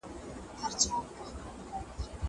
زه به ځواب ليکلی وي.